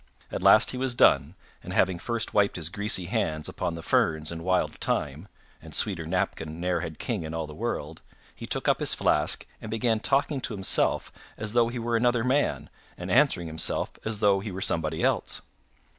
At last he was done, and, having first wiped his greasy hands upon the ferns and wild thyme (and sweeter napkin ne'er had king in all the world), he took up his flask and began talking to himself as though he were another man, and answering himself as though he were somebody else.